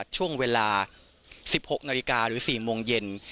ช่วงเวลา๑๖นาฬิกาหรือ๔โมงเย็น